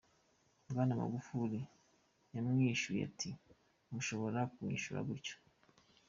Bwana Magufuli yamwishuye ati: "Ntushobora kunyishura gurtyo.